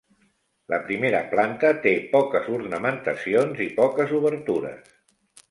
La primera planta té poques ornamentacions i poques obertures.